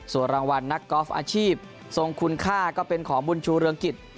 ส่วนรางวัลนักกอล์ฟอาชีพทรงคุณค่าก็เป็นของบุญชูเรืองกิจ